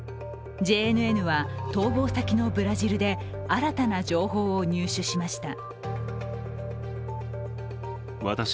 ＪＮＮは逃亡先のブラジルで新たな情報を入手しました。